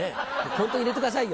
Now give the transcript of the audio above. ホント入れてくださいよ。